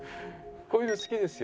こういうの好きですよ。